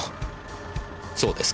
そうですか。